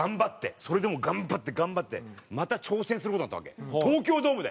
それでも頑張って頑張ってまた挑戦する事になったわけ東京ドームで。